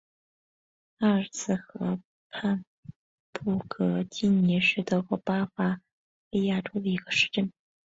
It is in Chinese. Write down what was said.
阿尔茨河畔布格基兴是德国巴伐利亚州的一个市镇。